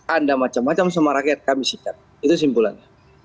anda macam macam sama rakyat kami sikap itu simpulannya